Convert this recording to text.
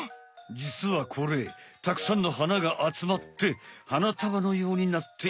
じつはこれたくさんの花があつまって花たばのようになっているのさ。